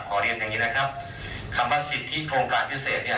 เรียนอย่างนี้นะครับคำว่าสิทธิโครงการพิเศษเนี่ย